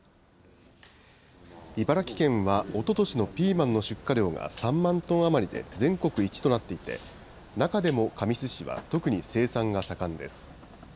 茨城県はおととしのピーマンの出荷量が３万トン余りで全国一となっていて、中でも神栖市は特に生産が盛んです。